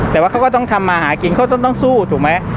แต่ว่าเขาก็ต้องทำมาหากินเขาต้องสู้ถูกไหม